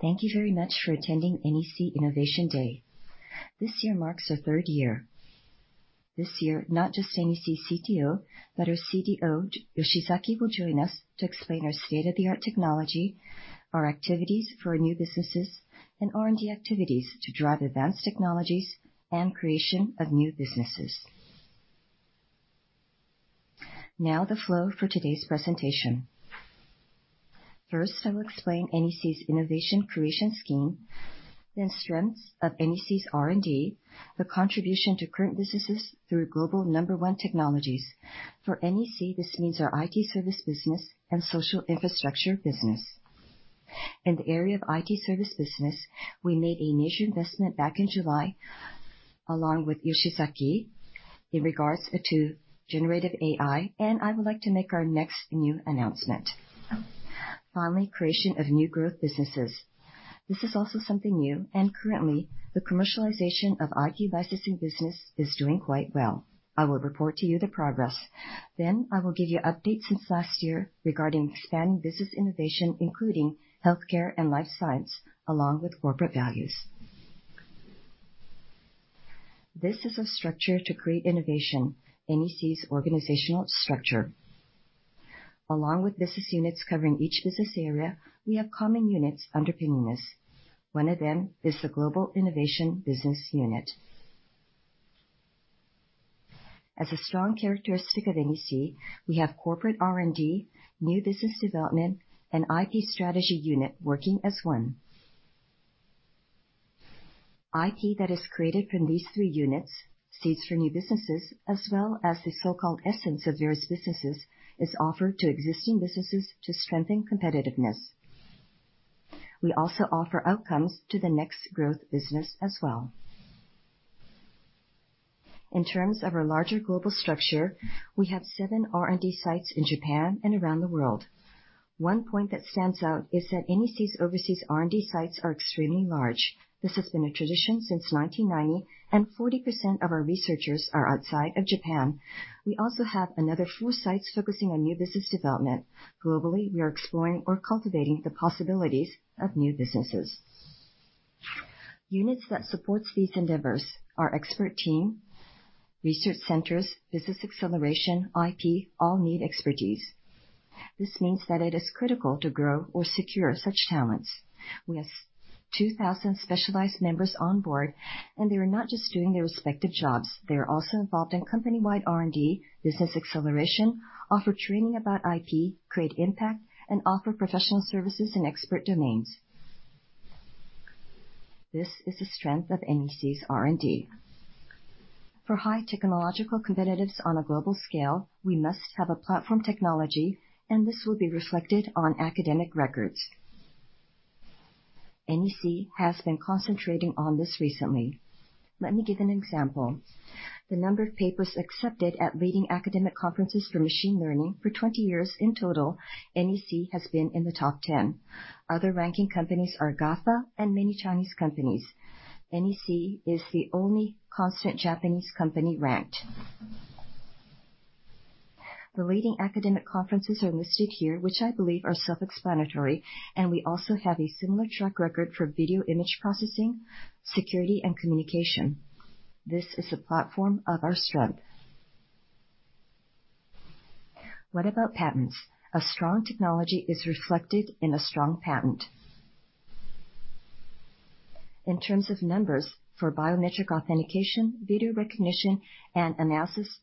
Thank you very much for attending NEC Innovation Day. This year marks our third year. This year, not just NEC's CTO, but our CDO, Yoshizaki, will join us to explain our state-of-the-art technology, our activities for our new businesses, and R&D activities to drive advanced technologies and creation of new businesses. Now, the flow for today's presentation. First, I will explain NEC's innovation creation scheme, then strengths of NEC's R&D, the contribution to current businesses through global number one technologies. For NEC, this means our IT service business and social infrastructure business. In the area of IT service business, we made a major investment back in July, along with Yoshizaki, in regards to generative AI, and I would like to make our next new announcement. Finally, creation of new growth businesses. This is also something new, and currently, the commercialization of IT licensing business is doing quite well. I will report to you the progress. Then I will give you updates since last year regarding expanding business innovation, including healthcare and life science, along with corporate values. This is a structure to create innovation, NEC's organizational structure. Along with business units covering each business area, we have common units underpinning this. One of them is the Global Innovation Business Unit. As a strong characteristic of NEC, we have corporate R&D, new business development, and IP strategy unit working as one. IP that is created from these three units, seeds for new businesses, as well as the so-called essence of various businesses, is offered to existing businesses to strengthen competitiveness. We also offer outcomes to the next growth business as well. In terms of our larger global structure, we have seven R&D sites in Japan and around the world. One point that stands out is that NEC's overseas R&D sites are extremely large. This has been a tradition since 1990, and 40% of our researchers are outside of Japan. We also have another four sites focusing on new business development. Globally, we are exploring or cultivating the possibilities of new businesses. Units that supports these endeavors, our expert team, research centers, business acceleration, IP, all need expertise. This means that it is critical to grow or secure such talents. We have 2,000 specialized members on board, and they are not just doing their respective jobs. They are also involved in company-wide R&D, business acceleration, offer training about IP, create impact, and offer professional services in expert domains. This is the strength of NEC's R&D. For high technological competitiveness on a global scale, we must have a platform technology, and this will be reflected on academic records. NEC has been concentrating on this recently. Let me give an example. The number of papers accepted at leading academic conferences for machine learning for 20 years in total, NEC has been in the top 10. Other ranking companies are GAFA and many Chinese companies. NEC is the only constant Japanese company ranked. The leading academic conferences are listed here, which I believe are self-explanatory, and we also have a similar track record for video image processing, security, and communication. This is a platform of our strength. What about patents? A strong technology is reflected in a strong patent. In terms of numbers for biometric authentication, video recognition, and analysis,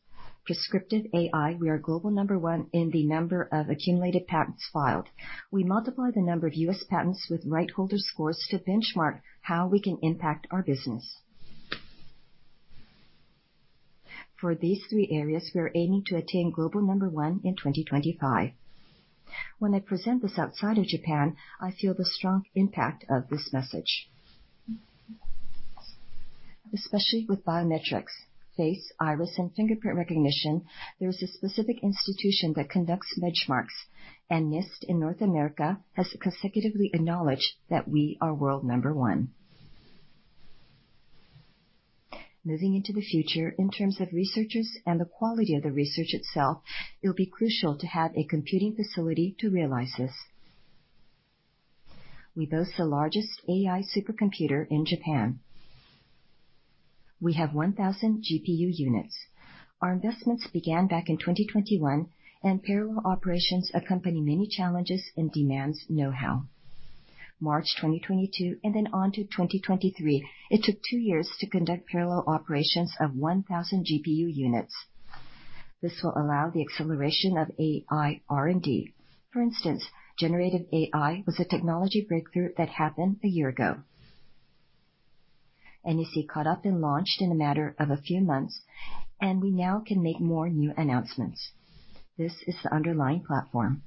prescriptive AI, we are global number one in the number of accumulated patents filed. We multiply the number of U.S. patents with right holder scores to benchmark how we can impact our business. For these three areas, we are aiming to attain global number one in 2025. When I present this outside of Japan, I feel the strong impact of this message. Especially with biometrics, face, iris, and fingerprint recognition, there is a specific institution that conducts benchmarks, and NIST in North America has consecutively acknowledged that we are world number one. Moving into the future, in terms of researchers and the quality of the research itself, it will be crucial to have a computing facility to realize this. We boast the largest AI supercomputer in Japan. We have 1,000 GPU units. Our investments began back in 2021, and parallel operations accompany many challenges and demands know-how. March 2022 and then on to 2023, it took two years to conduct parallel operations of 1,000 GPU units. This will allow the acceleration of AI R&D. For instance, generative AI was a technology breakthrough that happened a year ago. NEC caught up and launched in a matter of a few months, and we now can make more new announcements. This is the underlying platform.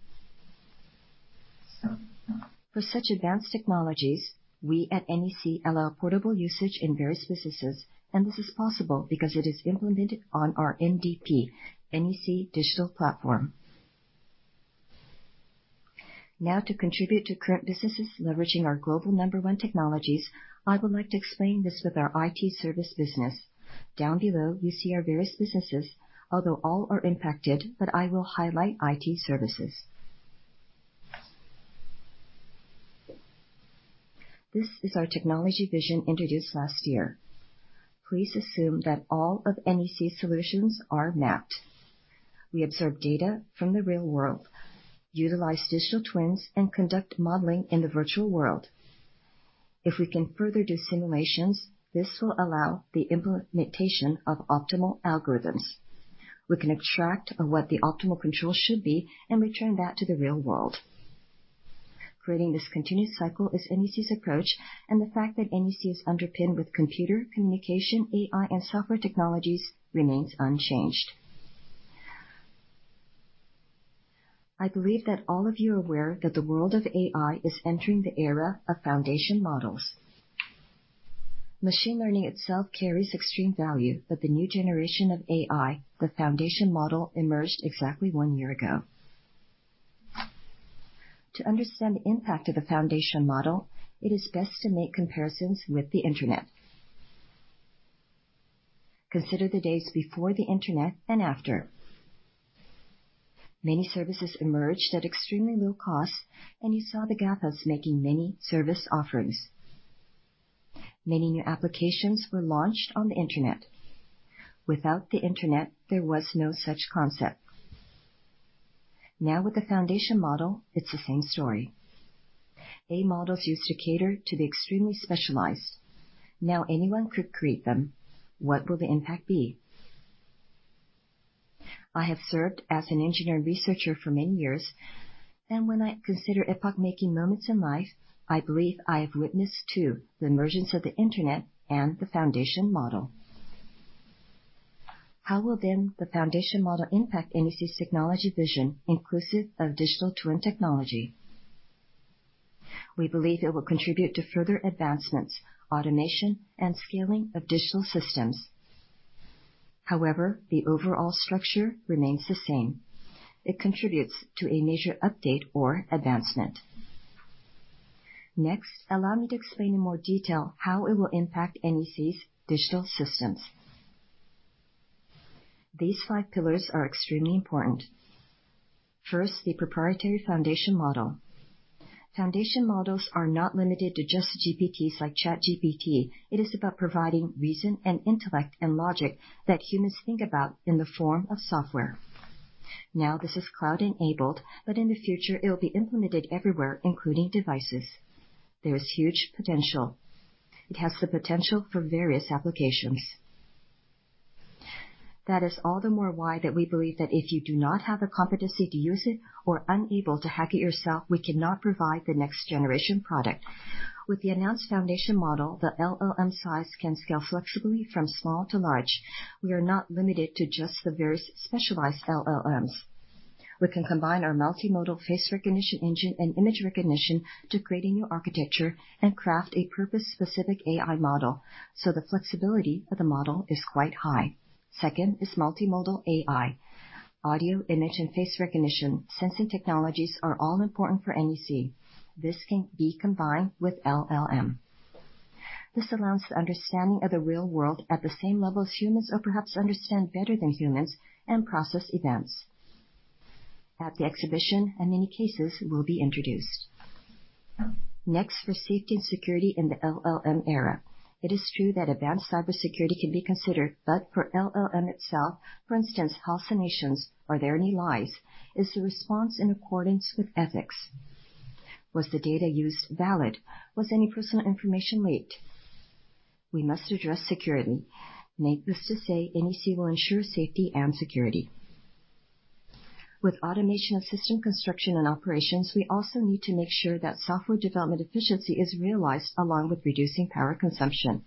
For such advanced technologies, we at NEC allow portable usage in various businesses, and this is possible because it is implemented on our NDP, NEC Digital Platform. Now, to contribute to current businesses leveraging our global number one technologies, I would like to explain this with our IT service business. Down below, you see our various businesses, although all are impacted, but I will highlight IT services…. This is our technology vision introduced last year. Please assume that all of NEC solutions are mapped. We observe data from the real world, utilize digital twins, and conduct modeling in the virtual world. If we can further do simulations, this will allow the implementation of optimal algorithms. We can abstract on what the optimal control should be and return that to the real world. Creating this continuous cycle is NEC's approach, and the fact that NEC is underpinned with computer, communication, AI, and software technologies remains unchanged. I believe that all of you are aware that the world of AI is entering the era of foundation models. Machine learning itself carries extreme value, but the new generation of AI, the foundation model, emerged exactly one year ago. To understand the impact of the foundation model, it is best to make comparisons with the Internet. Consider the days before the Internet and after. Many services emerged at extremely low costs, and you saw the GAFAs making many service offerings. Many new applications were launched on the Internet. Without the Internet, there was no such concept. Now, with the Foundation Model, it's the same story. AI models used to cater to the extremely specialized. Now anyone could create them. What will the impact be? I have served as an engineer and researcher for many years, and when I consider epoch-making moments in life, I believe I have witnessed two: the emergence of the Internet and the Foundation Model. How will then the Foundation Model impact NEC's technology vision, inclusive of Digital Twin technology? We believe it will contribute to further advancements, automation, and scaling of digital systems. However, the overall structure remains the same. It contributes to a major update or advancement. Next, allow me to explain in more detail how it will impact NEC's digital systems. These five pillars are extremely important. First, the proprietary Foundation Model. Foundation models are not limited to just GPTs like ChatGPT. It is about providing reason and intellect and logic that humans think about in the form of software. Now, this is cloud-enabled, but in the future, it will be implemented everywhere, including devices. There is huge potential. It has the potential for various applications. That is all the more why that we believe that if you do not have the competency to use it or unable to hack it yourself, we cannot provide the next generation product. With the announced Foundation Model, the LLM size can scale flexibly from small to large. We are not limited to just the various specialized LLMs. We can combine our multimodal face recognition engine and image recognition to create a new architecture and craft a purpose-specific AI model, so the flexibility of the model is quite high. Second is Multimodal AI. Audio, image, and face recognition, sensing technologies are all important for NEC. This can be combined with LLM. This allows the understanding of the real world at the same level as humans or perhaps understand better than humans and process events. At the exhibition, many cases will be introduced. Next, for safety and security in the LLM era, it is true that advanced cybersecurity can be considered, but for LLM itself, for instance, hallucinations—are there any lies? Is the response in accordance with ethics? Was the data used valid? Was any personal information leaked? We must address security. Needless to say, NEC will ensure safety and security. With automation of system construction and operations, we also need to make sure that software development efficiency is realized, along with reducing power consumption.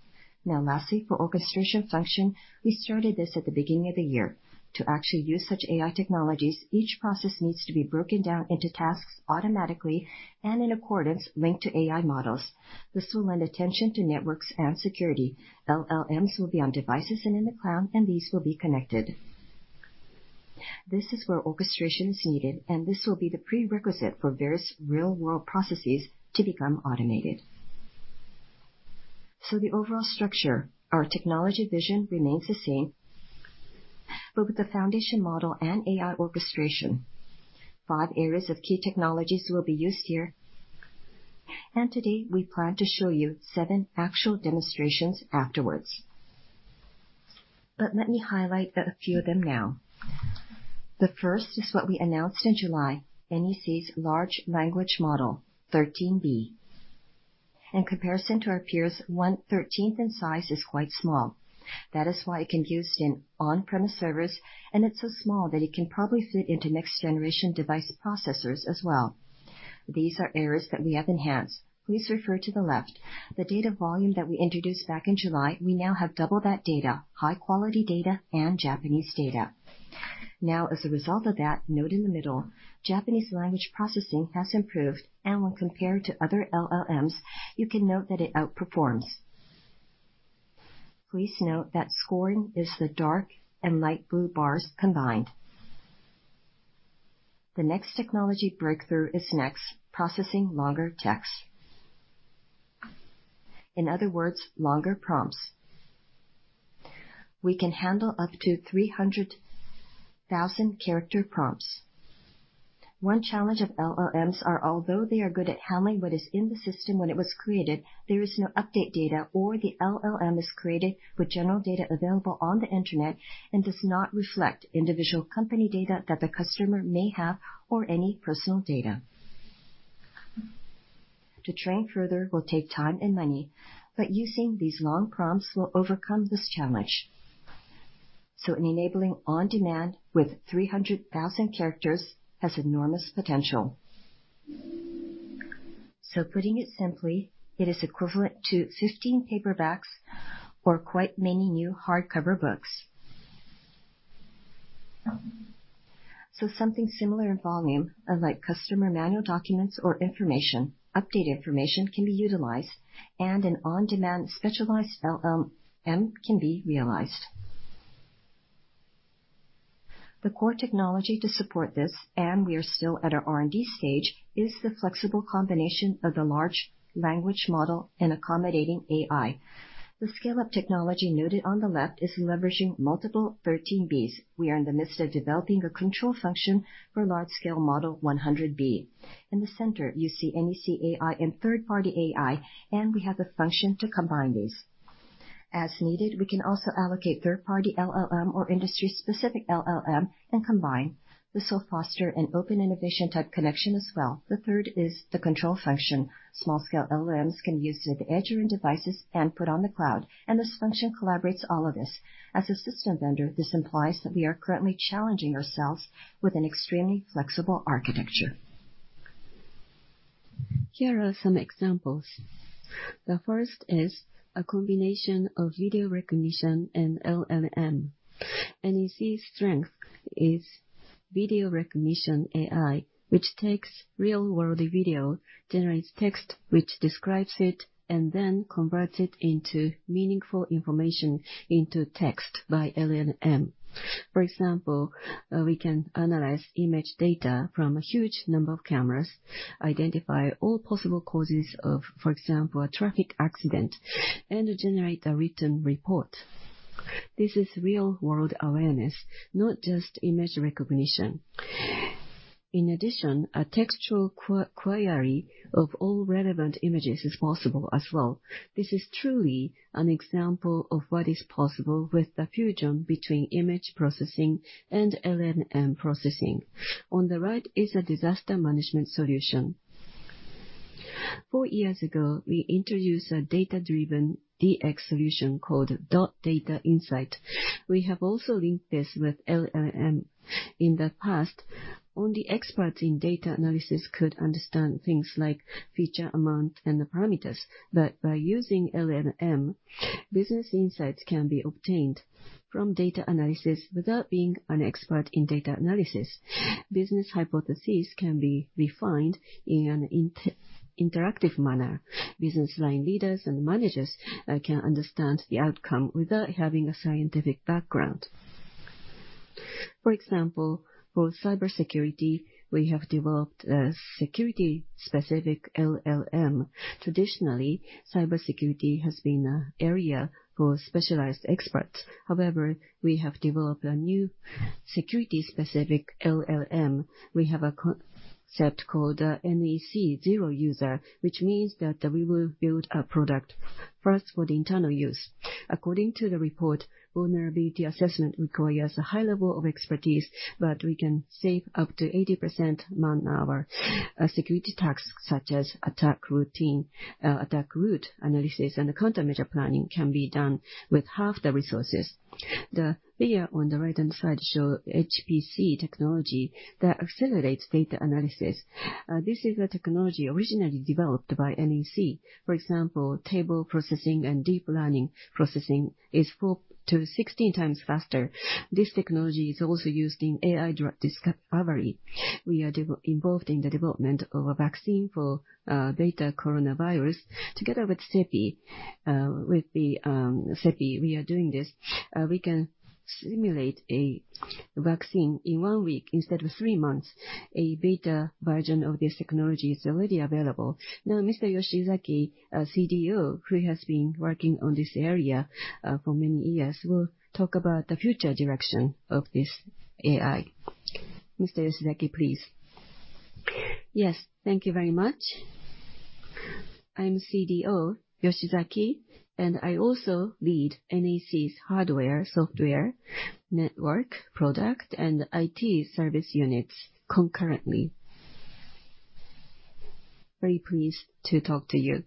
Now, lastly, for orchestration function, we started this at the beginning of the year. To actually use such AI technologies, each process needs to be broken down into tasks automatically and in accordance, linked to AI models. This will lend attention to networks and security. LLMs will be on devices and in the cloud, and these will be connected. This is where orchestration is needed, and this will be the prerequisite for various real-world processes to become automated. So the overall structure, our technology vision, remains the same, but with the foundation model and AI orchestration, five areas of key technologies will be used here. And today, we plan to show you seven actual demonstrations afterwards. But let me highlight that a few of them now. The first is what we announced in July, NEC's large language model, 13B. In comparison to our peers, 1/13 in size is quite small. That is why it can be used in on-premise servers, and it's so small that it can probably fit into next-generation device processors as well. These are areas that we have enhanced. Please refer to the left. The data volume that we introduced back in July, we now have double that data, high-quality data, and Japanese data. Now, as a result of that, note in the middle, Japanese language processing has improved, and when compared to other LLMs, you can note that it outperforms. Please note that scoring is the dark and light blue bars combined. The next technology breakthrough is next, processing longer text. In other words, longer prompts... we can handle up to 300,000-character prompts. One challenge of LLMs are, although they are good at handling what is in the system when it was created, there is no update data, or the LLM is created with general data available on the internet and does not reflect individual company data that the customer may have, or any personal data. To train further will take time and money, but using these long prompts will overcome this challenge. So in enabling on-demand with 300,000 characters, has enormous potential. So putting it simply, it is equivalent to 15 paperbacks or quite many new hardcover books. So something similar in volume, unlike customer manual documents or information, updated information can be utilized, and an on-demand specialized LLM can be realized. The core technology to support this, and we are still at our R&D stage, is the flexible combination of the large language model and accommodating AI. The scale-up technology noted on the left is leveraging multiple 13Bs. We are in the midst of developing a control function for large-scale model 100B. In the center, you see NEC AI and third-party AI, and we have the function to combine these. As needed, we can also allocate third-party LLM or industry-specific LLM and combine. This will foster an open innovation type connection as well. The third is the control function. Small scale LLMs can be used at the edge or in devices and put on the cloud, and this function collaborates all of this. As a system vendor, this implies that we are currently challenging ourselves with an extremely flexible architecture. Here are some examples. The first is a combination of video recognition and LLM. NEC's strength is video recognition AI, which takes real-world video, generates text, which describes it, and then converts it into meaningful information into text by LLM. For example, we can analyze image data from a huge number of cameras, identify all possible causes of, for example, a traffic accident, and generate a written report. This is real-world awareness, not just image recognition. In addition, a textual query of all relevant images is possible as well. This is truly an example of what is possible with the fusion between image processing and LLM processing. On the right is a disaster management solution. Four years ago, we introduced a data-driven DX solution called dotData Insight. We have also linked this with LLM. In the past, only experts in data analysis could understand things like feature amount and the parameters, but by using LLM, business insights can be obtained from data analysis without being an expert in data analysis. Business hypotheses can be refined in an interactive manner. Business line leaders and managers can understand the outcome without having a scientific background. For example, for cybersecurity, we have developed a security-specific LLM. Traditionally, cybersecurity has been an area for specialized experts. However, we have developed a new security-specific LLM. We have a concept called NEC Zero User, which means that we will build a product first for the internal use. According to the report, vulnerability assessment requires a high level of expertise, but we can save up to 80% man-hour. Security tasks, such as attack routine, attack route analysis, and countermeasure planning, can be done with half the resources. The figure on the right-hand side show HPC technology that accelerates data analysis. This is a technology originally developed by NEC. For example, table processing and deep learning processing is 4-16 times faster. This technology is also used in AI drug discovery. We are involved in the development of a vaccine for betacoronavirus, together with CEPI. With CEPI, we are doing this. We can simulate a vaccine in one week instead of three months. A beta version of this technology is already available. Now, Mr. Yoshizaki, our CDO, who has been working on this area for many years, will talk about the future direction of this AI. Mr. Yoshizaki, please. Yes, thank you very much. I'm CDO Yoshizaki, and I also lead NEC's hardware, software, network, product, and IT service units concurrently. Very pleased to talk to you.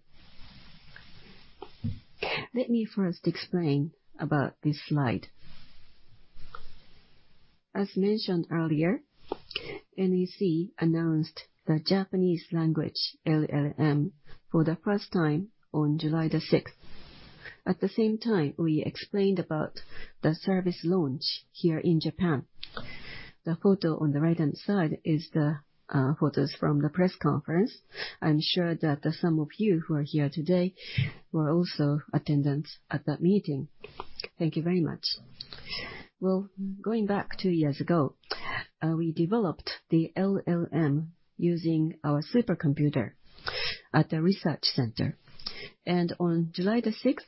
Let me first explain about this slide. As mentioned earlier, NEC announced the Japanese language LLM for the first time on July the 6th. At the same time, we explained about the service launch here in Japan. The photo on the right-hand side is the photos from the press conference. I'm sure that some of you who are here today were also attendant at that meeting. Thank you very much.... Well, going back two years ago, we developed the LLM using our supercomputer at the research center. On July the sixth,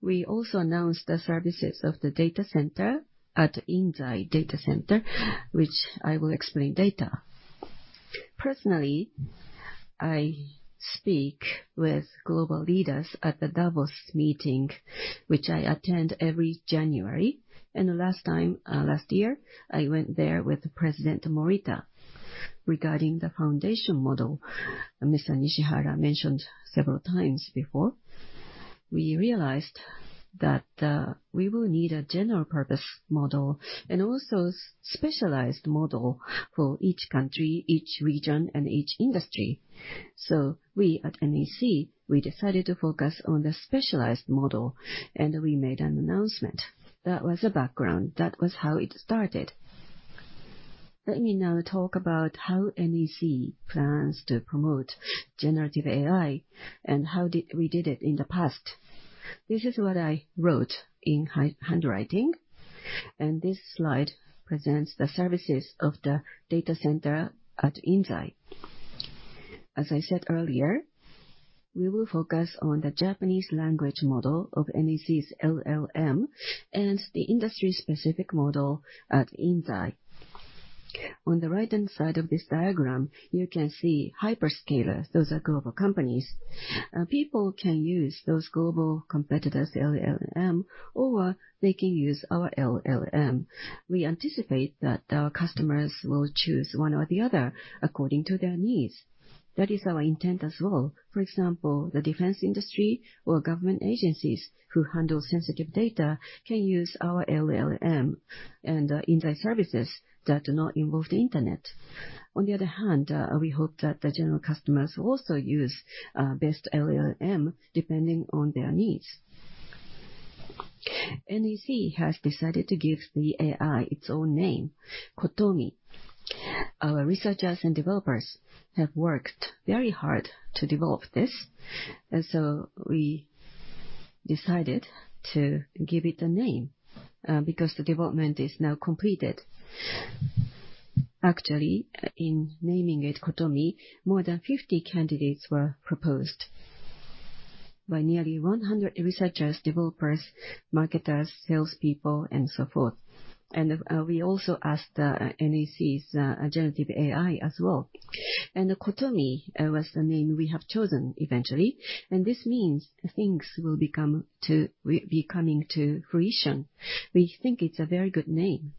we also announced the services of the data center at Inzai Data Center, which I will explain later. Personally, I speak with global leaders at the Davos meeting, which I attend every January. The last time, last year, I went there with President Morita regarding the foundation model. Mr. Nishihara mentioned several times before, we realized that, we will need a general purpose model and also specialized model for each country, each region, and each industry. So we at NEC, we decided to focus on the specialized model, and we made an announcement. That was the background. That was how it started. Let me now talk about how NEC plans to promote generative AI and how we did it in the past. This is what I wrote in handwriting, and this slide presents the services of the data center at Inzai. As I said earlier, we will focus on the Japanese language model of NEC's LLM and the industry-specific model at Inzai. On the right-hand side of this diagram, you can see hyperscalers. Those are global companies. People can use those global competitors' LLM, or they can use our LLM. We anticipate that our customers will choose one or the other according to their needs. That is our intent as well. For example, the defense industry or government agencies who handle sensitive data can use our LLM and Inzai services that do not involve the Internet. On the other hand, we hope that the general customers will also use best LLM depending on their needs. NEC has decided to give the AI its own name, cotomi. Our researchers and developers have worked very hard to develop this, and so we decided to give it a name, because the development is now completed. Actually, in naming it cotomi, more than 50 candidates were proposed by nearly 100 researchers, developers, marketers, salespeople, and so forth. And we also asked NEC's generative AI as well. And cotomi was the name we have chosen eventually, and this means things will become to be coming to fruition. We think it's a very good name.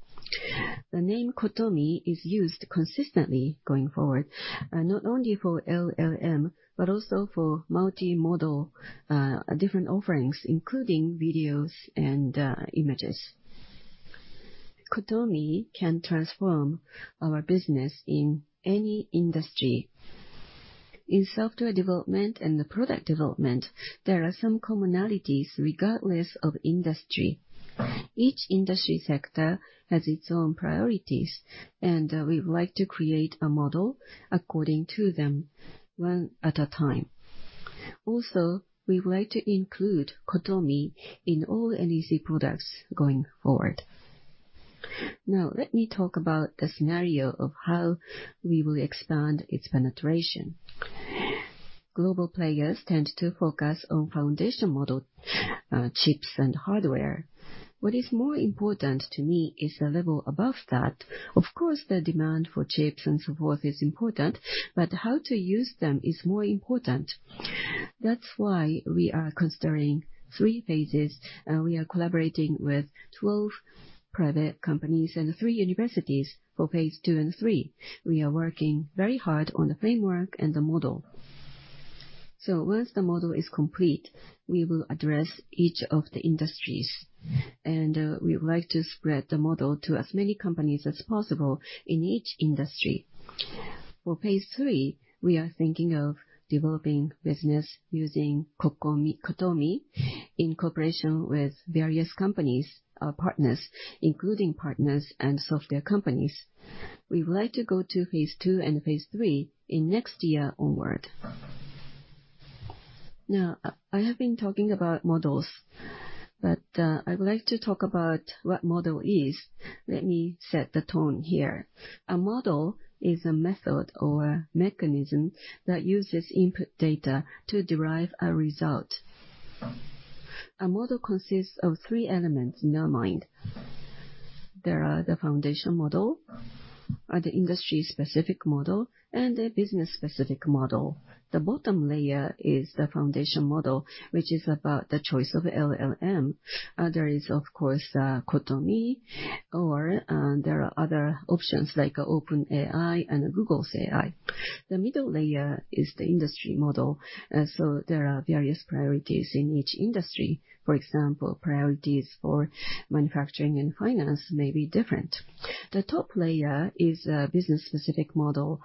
The name cotomi is used consistently going forward, not only for LLM, but also for multimodal, different offerings, including videos and images. cotomi can transform our business in any industry. In software development and the product development, there are some commonalities regardless of industry. Each industry sector has its own priorities, and we would like to create a model according to them, one at a time. Also, we would like to include cotomi in all NEC products going forward. Now, let me talk about the scenario of how we will expand its penetration. Global players tend to focus on foundation model, chips, and hardware. What is more important to me is the level above that. Of course, the demand for chips and so forth is important, but how to use them is more important. That's why we are considering three phases, and we are collaborating with 12 private companies and three universities for phase II and III. We are working very hard on the framework and the model. So once the model is complete, we will address each of the industries, and we would like to spread the model to as many companies as possible in each industry. For phase III, we are thinking of developing business using cotomi, in cooperation with various companies, partners, including partners and software companies. We would like to go to phase II and phase III in next year onward. Now, I have been talking about models, but I would like to talk about what model is. Let me set the tone here. A model is a method or a mechanism that uses input data to derive a result. A model consists of three elements in our mind. There are the foundation model, the industry-specific model, and the business-specific model. The bottom layer is the foundation model, which is about the choice of LLM. There is, of course, cotomi, or, there are other options like OpenAI and Google's AI. The middle layer is the industry model, and so there are various priorities in each industry. For example, priorities for manufacturing and finance may be different. The top layer is a business-specific model.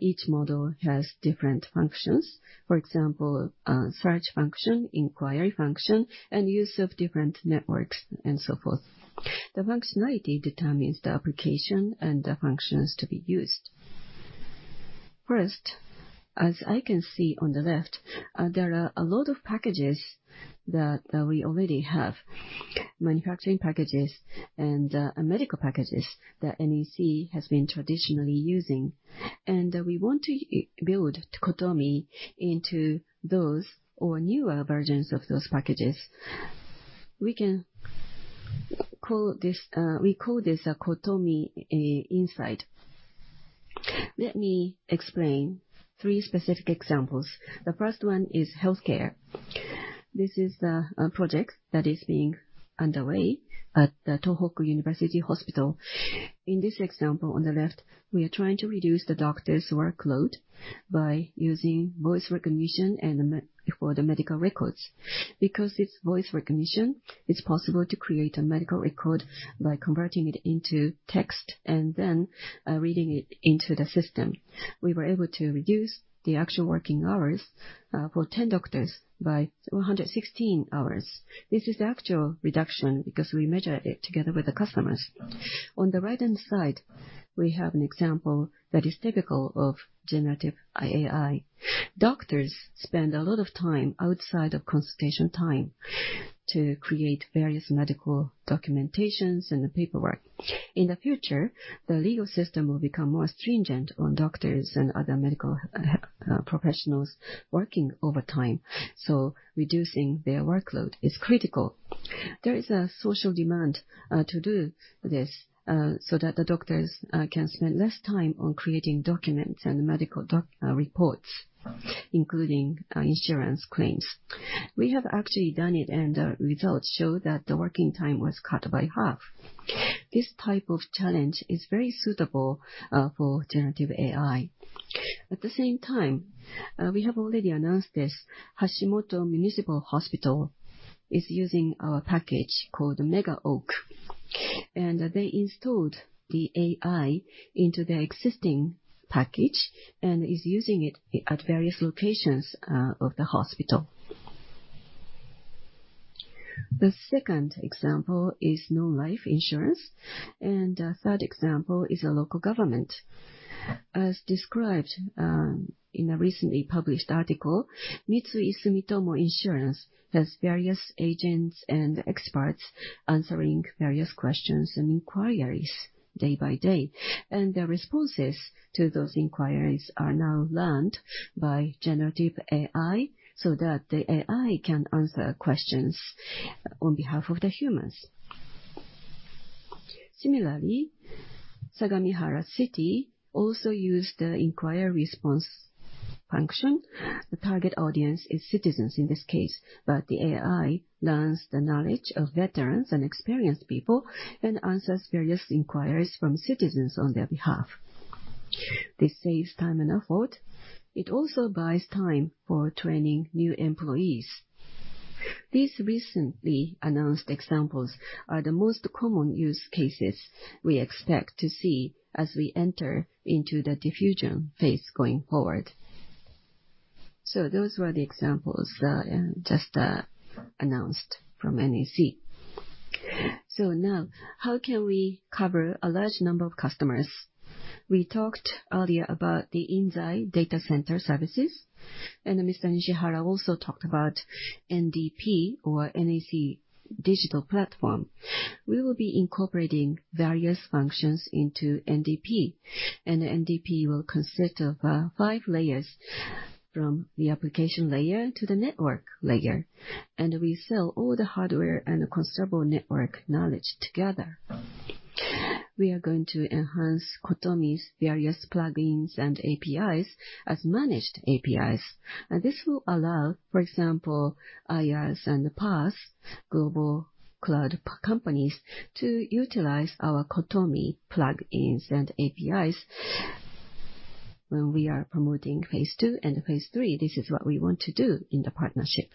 Each model has different functions. For example, search function, inquiry function, and use of different networks, and so forth. The functionality determines the application and the functions to be used.... First, as I can see on the left, there are a lot of packages that we already have, manufacturing packages and medical packages that NEC has been traditionally using. We want to build cotomi into those or newer versions of those packages. We can call this, we call this a cotomi insight. Let me explain three specific examples. The first one is healthcare. This is a project that is being underway at the Tohoku University Hospital. In this example on the left, we are trying to reduce the doctor's workload by using voice recognition for the medical records. Because it's voice recognition, it's possible to create a medical record by converting it into text and then reading it into the system. We were able to reduce the actual working hours for 10 doctors by 116 hours. This is the actual reduction because we measured it together with the customers. On the right-hand side, we have an example that is typical of generative AI. Doctors spend a lot of time outside of consultation time to create various medical documentation and the paperwork. In the future, the legal system will become more stringent on doctors and other medical professionals working overtime, so reducing their workload is critical. There is a social demand to do this, so that the doctors can spend less time on creating documents and medical documents and reports, including insurance claims. We have actually done it, and the results show that the working time was cut by half. This type of challenge is very suitable for generative AI. At the same time, we have already announced this, Hashimoto Municipal Hospital is using our package called MegaOak, and they installed the AI into their existing package and is using it at various locations of the hospital. The second example is non-life insurance, and the third example is a local government. As described, in a recently published article, Mitsui Sumitomo Insurance has various agents and experts answering various questions and inquiries day by day, and their responses to those inquiries are now learned by generative AI, so that the AI can answer questions on behalf of the humans. Similarly, Sagamihara City also use the inquiry response function. The target audience is citizens in this case, but the AI learns the knowledge of veterans and experienced people and answers various inquiries from citizens on their behalf. This saves time and effort. It also buys time for training new employees. These recently announced examples are the most common use cases we expect to see as we enter into the diffusion phase going forward. So those were the examples that just announced from NEC. So now, how can we cover a large number of customers? We talked earlier about the Inzai Data Center services, and Mr. Nishihara also talked about NDP or NEC Digital Platform. We will be incorporating various functions into NDP, and the NDP will consist of five layers, from the application layer to the network layer, and we sell all the hardware and considerable network knowledge together. We are going to enhance cotomi's various plug-ins and APIs as managed APIs, and this will allow, for example, IaaS and PaaS, global cloud companies, to utilize our cotomi plug-ins and APIs. When we are promoting phase II and phase III, this is what we want to do in the partnership.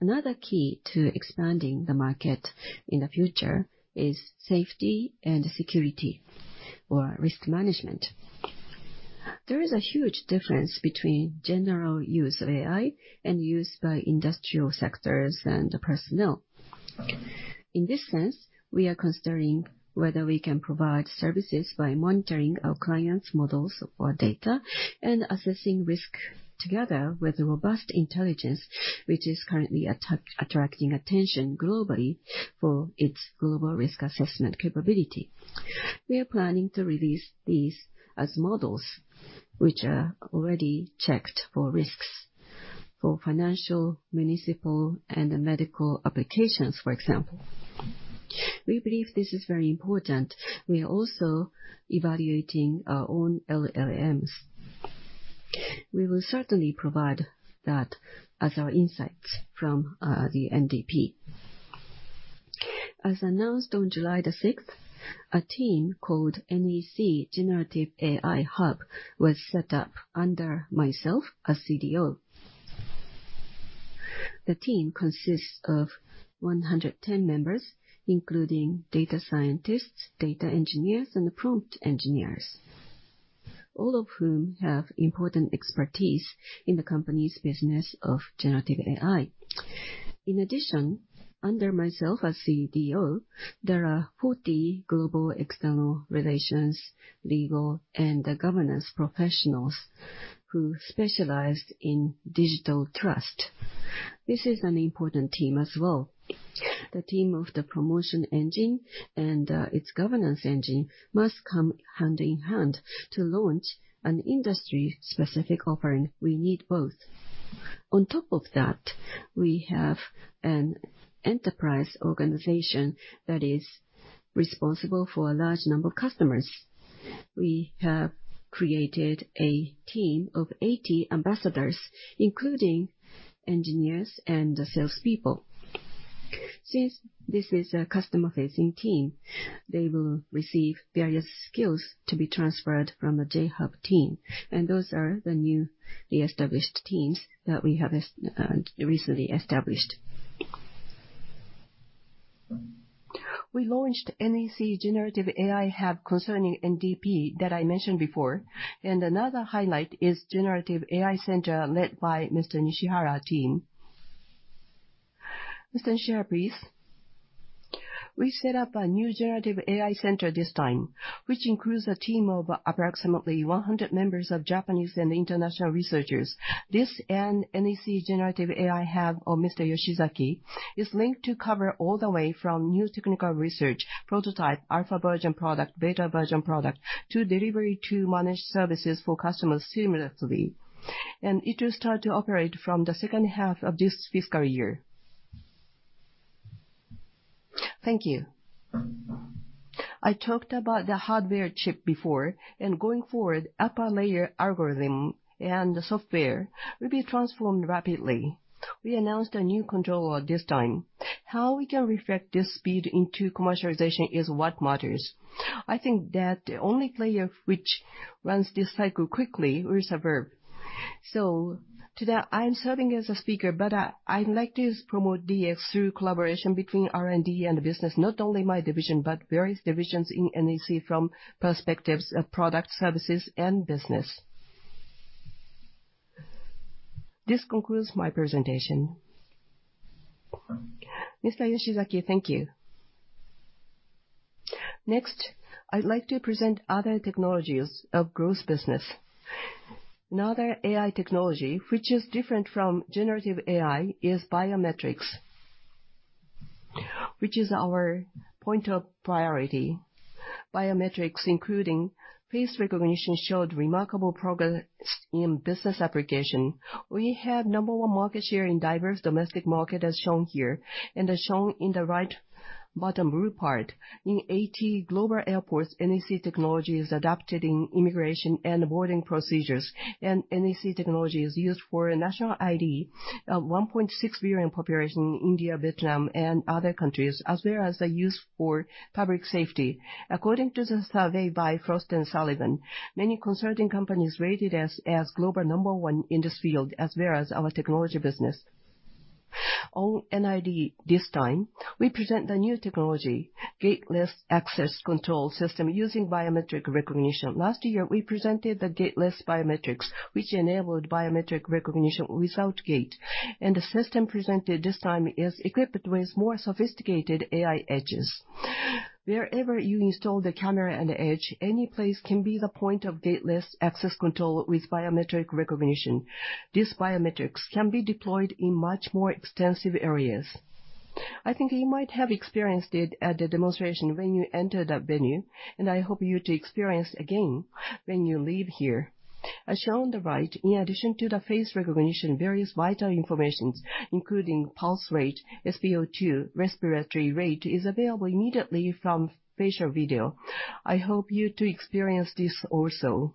Another key to expanding the market in the future is safety and security or risk management. There is a huge difference between general use of AI and use by industrial sectors and the personnel. In this sense, we are considering whether we can provide services by monitoring our clients' models or data and assessing risk together with Robust Intelligence, which is currently attracting attention globally for its global risk assessment capability. We are planning to release these as models which are already checked for risks, for financial, municipal, and medical applications, for example. We believe this is very important. We are also evaluating our own LLMs. We will certainly provide that as our insights from the NDP. As announced on July 6th, a team called NEC Generative AI Hub was set up under myself, as CDO. The team consists of 110 members, including data scientists, data engineers, and prompt engineers, all of whom have important expertise in the company's business of generative AI. In addition, under myself as CDO, there are 40 global external relations, legal, and governance professionals who specialize in digital trust. This is an important team as well. The team of the promotion engine and its governance engine must come hand in hand to launch an industry-specific offering. We need both. On top of that, we have an enterprise organization that is responsible for a large number of customers. We have created a team of 80 ambassadors, including engineers and salespeople. Since this is a customer-facing team, they will receive various skills to be transferred from the Generative AI Hub team, and those are the new, the established teams that we have recently established. We launched NEC Generative AI Hub concerning NDP, that I mentioned before, and another highlight is Generative AI Center, led by Mr. Nishihara team. Mr. Nishihara, please. We set up a new generative AI center this time, which includes a team of approximately 100 members of Japanese and international researchers. This and NEC Generative AI Hub of Mr. Yoshizaki is linked to cover all the way from new technical research, prototype, alpha version product, beta version product, to delivery, to managed services for customers seamlessly. It will start to operate from the second half of this fiscal year. Thank you. I talked about the hardware chip before, and going forward, upper layer algorithm and the software will be transformed rapidly. We announced a new controller this time. How we can reflect this speed into commercialization is what matters. I think that the only player which runs this cycle quickly will survive. So to that, I am serving as a speaker, but, I'd like to promote DX through collaboration between R&D and the business, not only my division, but various divisions in NEC from perspectives of product, services, and business. This concludes my presentation. Mr. Yoshizaki, thank you. Next, I'd like to present other technologies of growth business. Another AI technology, which is different from generative AI, is biometrics, which is our point of priority. Biometrics, including face recognition, showed remarkable progress in business application. We had number one market share in diverse domestic market, as shown here, and as shown in the right bottom blue part. In 80 global airports, NEC technology is adopted in immigration and boarding procedures, and NEC technology is used for a national ID, 1.6 billion population in India, Vietnam, and other countries, as well as the use for public safety. According to the survey by Frost & Sullivan, many consulting companies rated us as global number one in this field, as well as our technology business. On NID, this time, we present the new technology, gateless access control system using biometric recognition. Last year, we presented the gateless biometrics, which enabled biometric recognition without gate, and the system presented this time is equipped with more sophisticated AI edges. Wherever you install the camera and edge, any place can be the point of gateless access control with biometric recognition. These biometrics can be deployed in much more extensive areas. I think you might have experienced it at the demonstration when you entered that venue, and I hope you to experience again when you leave here. As shown on the right, in addition to the face recognition, various vital informations, including pulse rate, SpO2, respiratory rate, is available immediately from facial video. I hope you to experience this also.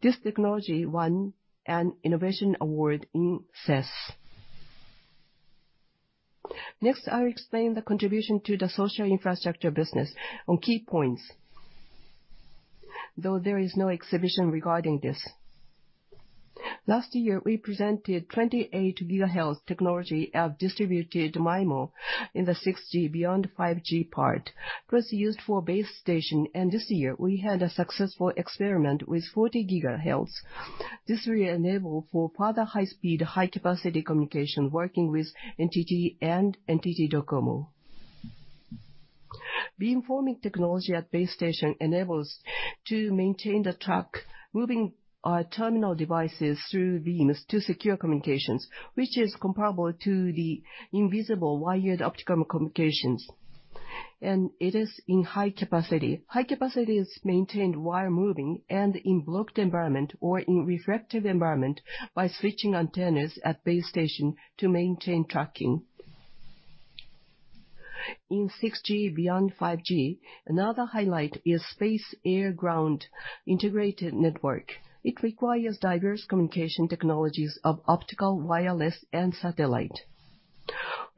This technology won an innovation award in CES. Next, I'll explain the contribution to the social infrastructure business on key points, though there is no exhibition regarding this. Last year, we presented 28 gigahertz technology of distributed MIMO in the 6G beyond 5G part. It was used for base station, and this year, we had a successful experiment with 40 gigahertz. This will enable for further high speed, high capacity communication, working with NTT and NTT DOCOMO. Beamforming technology at base station enables to maintain the track, moving, terminal devices through beams to secure communications, which is comparable to the invisible wired optical communications, and it is in high capacity. High capacity is maintained while moving and in blocked environment or in reflective environment by switching antennas at base station to maintain tracking. In 6G beyond 5G, another highlight is Space, Air, Ground Integrated Network. It requires diverse communication technologies of optical, wireless, and satellite.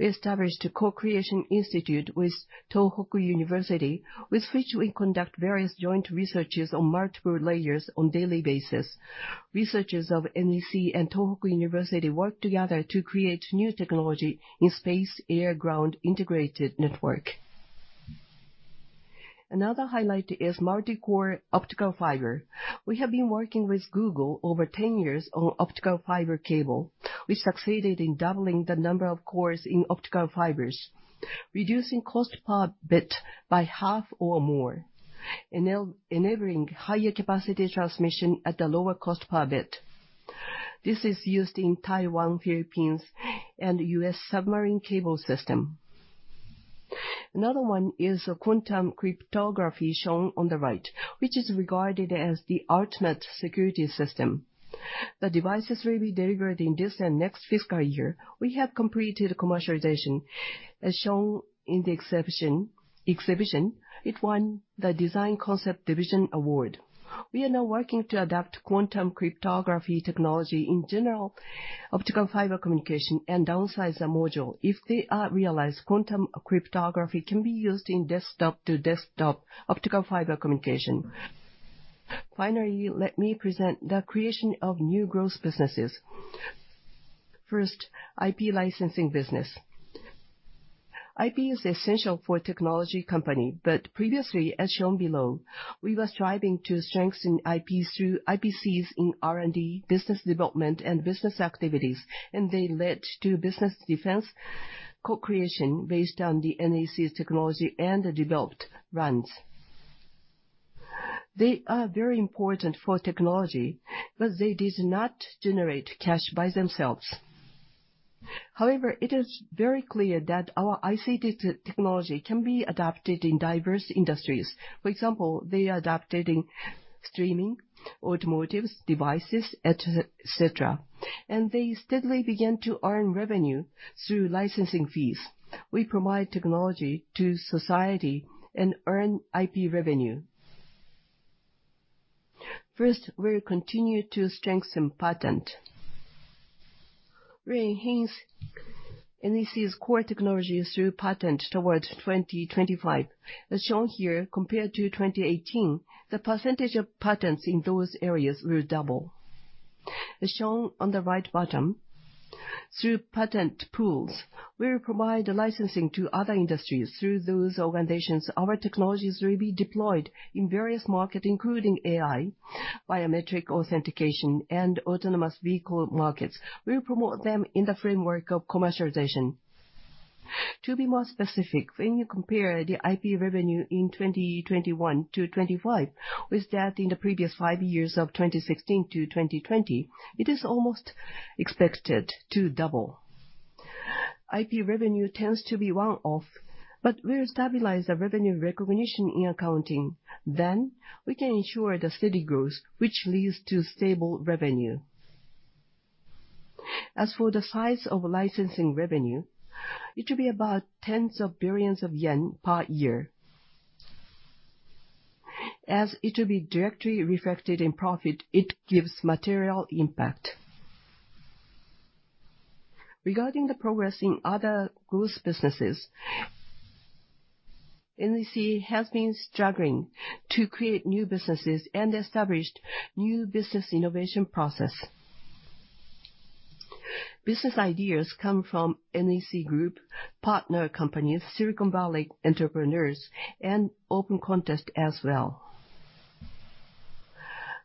We established a co-creation institute with Tohoku University, with which we conduct various joint researches on multiple layers on daily basis. Researchers of NEC and Tohoku University work together to create new technology in space, air, ground integrated network. Another highlight is multi-core optical fiber. We have been working with Google over 10 years on optical fiber cable. We succeeded in doubling the number of cores in optical fibers, reducing cost per bit by half or more, enabling higher capacity transmission at a lower cost per bit. This is used in Taiwan, Philippines, and U.S. submarine cable system. Another one is a quantum cryptography, shown on the right, which is regarded as the ultimate security system. The devices will be delivered in this and next fiscal year. We have completed commercialization, as shown in the exhibition. It won the Design Concept Division award. We are now working to adapt quantum cryptography technology in general optical fiber communication and downsize the module. If they are realized, quantum cryptography can be used in desktop-to-desktop optical fiber communication. Finally, let me present the creation of new growth businesses. First, IP licensing business. IP is essential for a technology company, but previously, as shown below, we were striving to strengthen IPs through IPCs in R&D, business development, and business activities, and they led to business defense, co-creation based on the NEC's technology and the developed runs. They are very important for technology, but they did not generate cash by themselves. However, it is very clear that our ICT technology can be adapted in diverse industries. For example, they are adapted in streaming, automotives, devices, et cetera, and they steadily began to earn revenue through licensing fees. We provide technology to society and earn IP revenue. First, we'll continue to strengthen patent, enhancing NEC's core technologies through patent towards 2025. As shown here, compared to 2018, the percentage of patents in those areas will double. As shown on the right bottom, through patent pools, we will provide licensing to other industries. Through those organizations, our technologies will be deployed in various market, including AI, biometric authentication, and autonomous vehicle markets. We will promote them in the framework of commercialization. To be more specific, when you compare the IP revenue in 2021-2025, with that in the previous five years of 2016-2020, it is almost expected to double. IP revenue tends to be one-off, but we'll stabilize the revenue recognition in accounting. Then, we can ensure the steady growth, which leads to stable revenue. As for the size of licensing revenue, it will be about tens of billions of JPY per year. As it will be directly reflected in profit, it gives material impact. Regarding the progress in other growth businesses, NEC has been struggling to create new businesses and established new business innovation process. Business ideas come from NEC group, partner companies, Silicon Valley entrepreneurs, and open contest as well.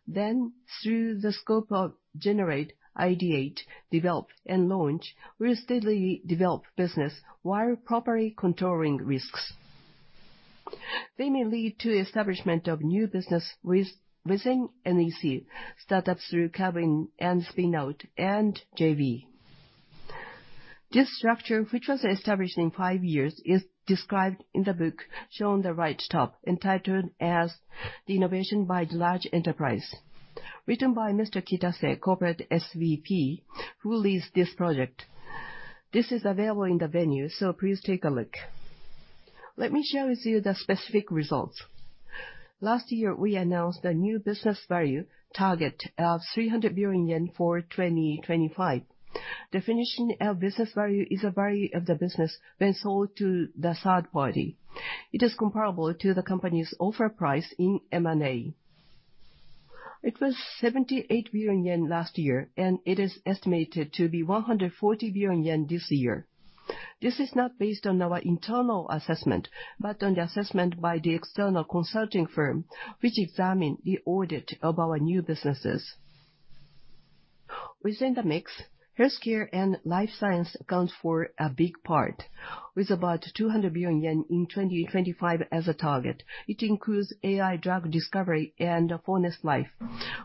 Then, through the scope of generate, ideate, develop, and launch, we steadily develop business while properly controlling risks. They may lead to establishment of new business within NEC, startups through carving and spinout and JV. This structure, which was established in five years, is described in the book, shown on the right top, entitled as The Innovation by Large Enterprise, written by Mr. Kitase, Corporate SVP, who leads this project. This is available in the venue, so please take a look. Let me share with you the specific results. Last year, we announced a new business value target of 300 billion yen for 2025. Definition of business value is a value of the business when sold to the third party. It is comparable to the company's offer price in M&A. It was 78 billion yen last year, and it is estimated to be 140 billion yen this year. This is not based on our internal assessment, but on the assessment by the external consulting firm, which examined the audit of our new businesses. Within the mix, healthcare and life science accounts for a big part, with about 200 billion yen in 2025 as a target. It includes AI drug discovery and OncoImmunity,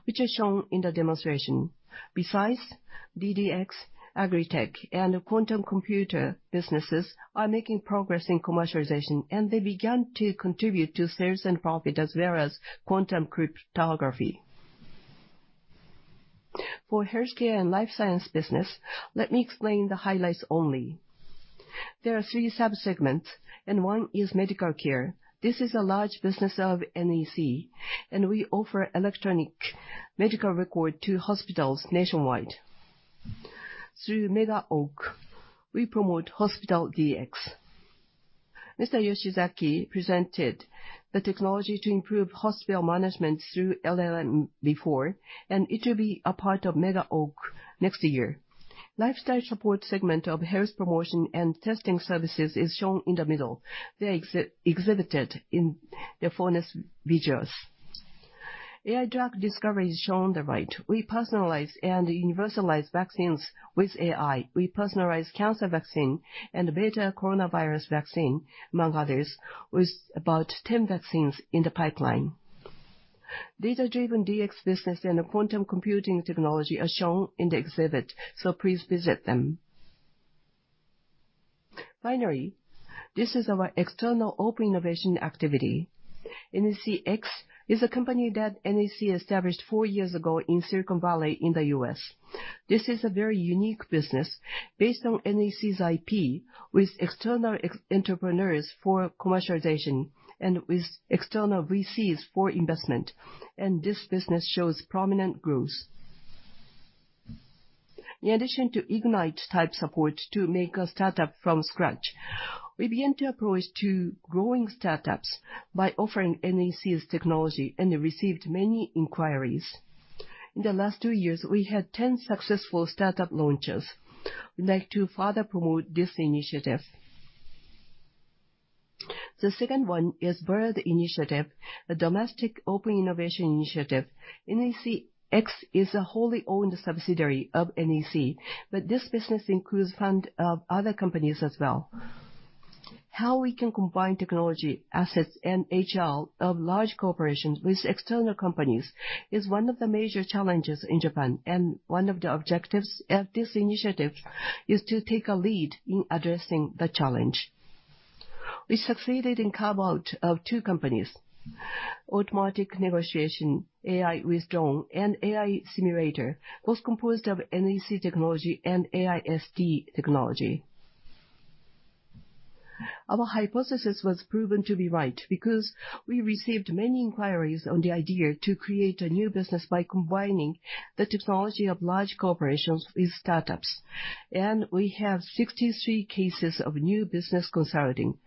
which is shown in the demonstration. Besides, DX, agritech, and quantum computer businesses are making progress in commercialization, and they began to contribute to sales and profit, as well as quantum cryptography. For healthcare and life science business, let me explain the highlights only. There are three sub-segments, and one is medical care. This is a large business of NEC, and we offer electronic medical record to hospitals nationwide. Through MegaOak, we promote hospital DX. Mr. Yoshizaki presented the technology to improve hospital management through LLM before, and it will be a part of MegaOak next year. Lifestyle support segment of health promotion and testing services is shown in the middle. They exhibited in the full visuals. AI drug discovery is shown on the right. We personalize and universalize vaccines with AI. We personalize cancer vaccine and betacoronavirus vaccine, among others, with about 10 vaccines in the pipeline. Data-driven DX business and quantum computing technology are shown in the exhibit, so please visit them. Finally, this is our external open innovation activity. NEC X is a company that NEC established four years ago in Silicon Valley in the U.S. This is a very unique business based on NEC's IP, with external entrepreneurs for commercialization and with external VCs for investment, and this business shows prominent growth. In addition to ignite type support to make a startup from scratch, we began to approach to growing startups by offering NEC's technology, and they received many inquiries. In the last 2 years, we had 10 successful startup launches. We'd like to further promote this initiative. The second one is Bird Initiative, a domestic open innovation initiative. NEC X is a wholly owned subsidiary of NEC, but this business includes fund of other companies as well. How we can combine technology, assets, and HR of large corporations with external companies is one of the major challenges in Japan, and one of the objectives of this initiative is to take a lead in addressing the challenge. We succeeded in carve-out of two companies, automatic negotiation, AI with drone, and AI simulator, both composed of NEC technology and AIST technology. Our hypothesis was proven to be right, because we received many inquiries on the idea to create a new business by combining the technology of large corporations with startups, and we have 63 cases of new business consulting.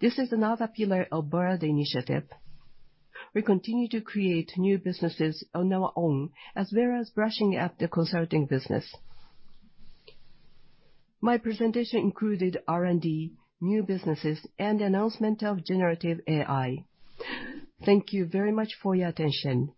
This is another pillar of Bird Initiative. We continue to create new businesses on our own, as well as brushing up the consulting business. My presentation included R&D, new businesses, and announcement of generative AI. Thank you very much for your attention!